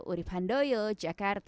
urib handoyo jakarta